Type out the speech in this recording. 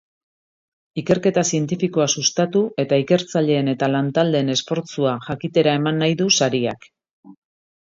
Ikerketa zientifikoa sustatu eta ikertzaileen eta lantaldeen esfortzua jakitera eman nahi du sariak.